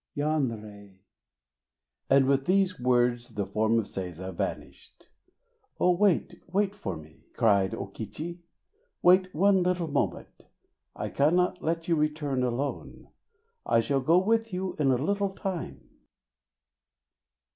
Yanrei! And with these words the form of Seiza vanished. "O wait, wait for me!" cried O Kichi, "wait one little moment! I cannot let you return alone! I shall go with you in a little time!"